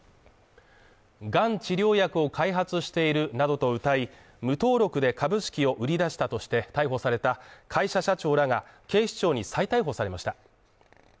がん治療薬を開発しているなどとうたい、無登録で株式を売り出したとして逮捕された会社社長らが警視庁に再逮捕されました。